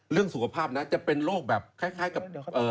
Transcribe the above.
เรื่องสุขภาพนะจะเป็นโรคแบบคล้ายกับ